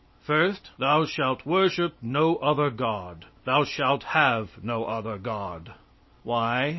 First, "Thou shalt worship no other God; thou shalt have no other God." Why?